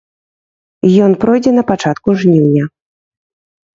Ён пройдзе на пачатку жніўня.